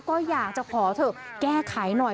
ก็อยากจะขอเถอะแก้ไขหน่อย